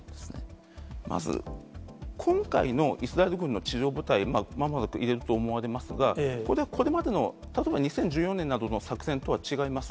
まず、今回のイスラエル軍の地上部隊、まもなく入れると思われますが、これまでの例えば２０１４年までの作戦とは違います。